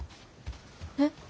えっ？